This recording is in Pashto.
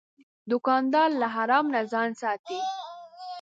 دوکاندار له حرام نه ځان ساتي.